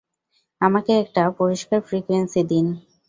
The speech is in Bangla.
আমাকে একটা পরিষ্কার ফ্রিকুয়েন্সি দিন।